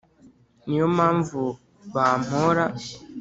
ni yo mpamvu bampora